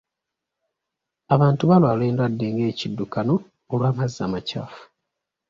Abantu baalwala endwadde nga ekiddukano olw'amazzi amakyafu.